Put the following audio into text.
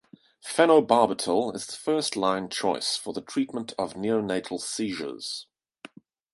Phenobarbital is the first-line choice for the treatment of neonatal seizures.